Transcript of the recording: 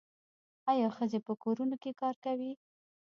آیا ښځې په کورونو کې کار کوي؟